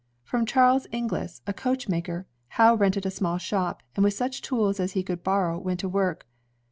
From Charles Inglis, a coachmaker, Howe rented a small shop, and with such tools as he could bor row went to work.